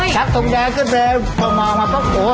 ชับทงแดงขึ้นไปผมมองมาเพราะโอ้ว